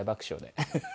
ハハハハ。